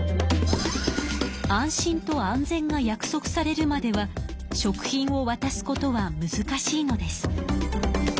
安心と安全が約束されるまでは食品をわたすことはむずかしいのです。